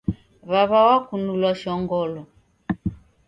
Wawa wakunulwa shongolo